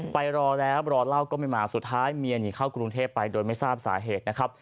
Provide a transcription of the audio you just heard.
ไปรอแล้วรอเล่าก็ไม่มาสุดท้ายเมียหนีเข้ากรุงเทพไปโดยไม่ทราบสาเหตุนะครับ